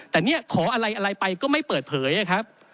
แต่เนี่ยขออะไรไปก็ไม่เปิดเผยครับ